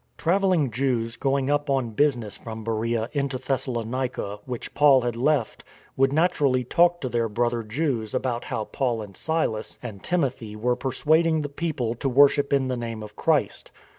Travelling Jews going up on business from Beroea into Thessalonica which Paul had left would naturally talk to their brother Jews about how Paul and Silas and Timothy were persuading the people to worship in the name of Christ.